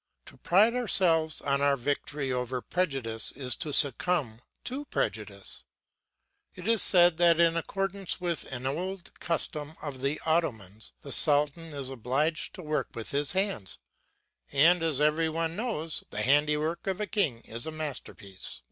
To pride ourselves on our victory over prejudice is to succumb to prejudice. It is said that in accordance with an old custom of the Ottomans, the sultan is obliged to work with his hands, and, as every one knows, the handiwork of a king is a masterpiece.